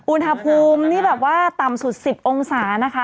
อุณหภูมินี่แบบว่าต่ำสุด๑๐องศานะคะ